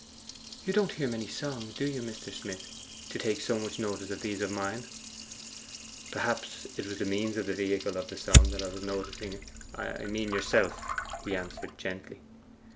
'You don't hear many songs, do you, Mr. Smith, to take so much notice of these of mine?' 'Perhaps it was the means and vehicle of the song that I was noticing: I mean yourself,' he answered gently.